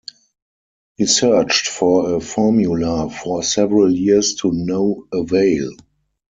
He searched for a formula for several years to no avail.